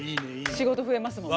仕事増えますもんね。